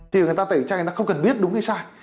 thì người ta tẩy chay người ta không cần biết đúng hay sai